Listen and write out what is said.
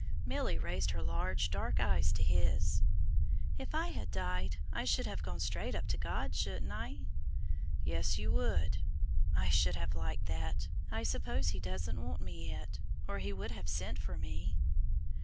Milly raised her large dark eyes to his. "If I had died I should have gone straight up to God, shouldn't I?" "Yes, you would." "I should have liked that. I suppose He doesn't want me yet, or He would have sent for me."